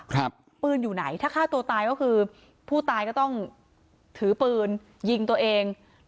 ปืนอยู่ไหนถ้าฆ่าตัวตายก็คือผู้ตายก็ต้องถือปืนยิงตัวเอง